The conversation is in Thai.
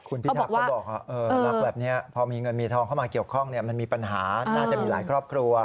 คุณพิทักษ์เขาบอกรักแบบนี้พอมีเงินมีทองเข้ามาเกี่ยวข้องมันมีปัญหาน่าจะมีหลายครอบครัว